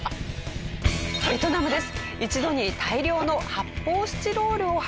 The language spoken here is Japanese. ベトナムです。